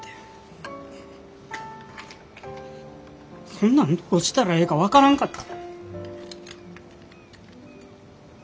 そんなんどうしたらええか分からんかった。